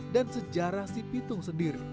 sejarah si pitung sendiri